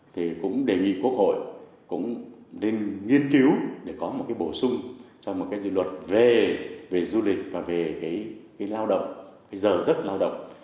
thì cũng đề nghị quốc hội cũng nên nghiên cứu để có một cái bổ sung cho một cái luật về du lịch và về cái lao động cái giờ rất lao động